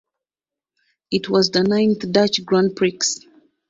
It was the ninth Dutch Grand Prix.